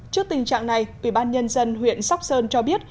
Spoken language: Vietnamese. trước tình trạng này ủy ban nhân dân huyện sóc sơn cho biết